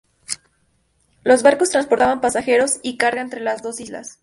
Los barcos transportaban pasajeros y carga entre las dos islas.